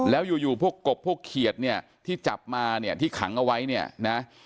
แล้วอยู่พวกกบพวกเขียดเนี่ยที่จับมาเนี่ยที่ขังเอาไว้เนี่ยนะ